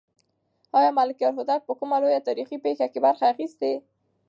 آیا ملکیار هوتک په کومه لویه تاریخي پېښه کې برخه اخیستې؟